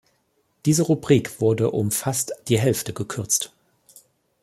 Diese Rubrik wurde um fast die Hälfte gekürzt.